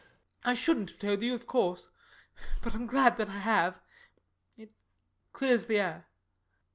I shouldn't have told you, of course; but I'm glad that I have. It clears the air.